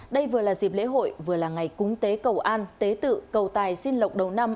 đây vừa là dịp lễ hội vừa là ngày cúng tế cầu an tế tự cầu tài xin lộc đầu năm